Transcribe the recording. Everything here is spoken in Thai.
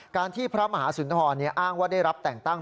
ที่พระมหาสุนทรอ้างว่าได้รับแต่งตั้ง